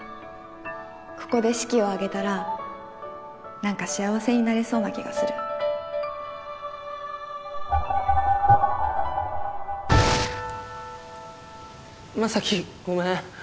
ここで式を挙げたらなんか幸せになれそうな気がする将希ごめん。